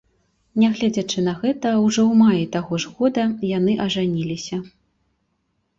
Нягледзячы на гэта ўжо ў маі таго ж года яны ажаніліся.